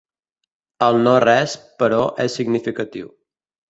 El no-res, però, és significatiu.